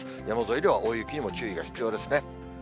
山沿いでは大雪にも注意が必要ですね。